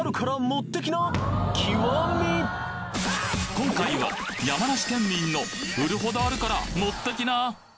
今回は山梨県民の売るほどあるから持ってきな！